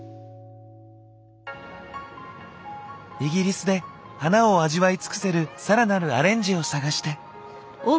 イギリスで花を味わい尽くせる更なるアレンジを探して。